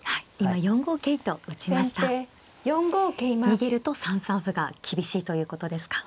逃げると３三歩が厳しいということですか。